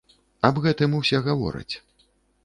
Аб гэтым усе гавораць.